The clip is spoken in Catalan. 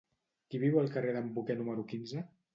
Qui viu al carrer d'en Boquer número quinze?